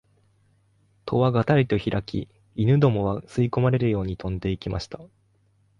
戸はがたりとひらき、犬どもは吸い込まれるように飛んで行きました